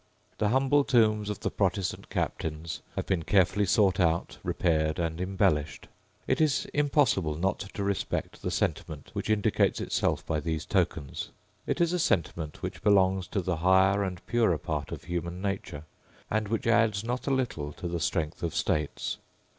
The humble tombs of the Protestant captains have been carefully sought out, repaired, and embellished. It is impossible not to respect the sentiment which indicates itself by these tokens. It is a sentiment which belongs to the higher and purer part of human nature, and which adds not a little to the strength of states.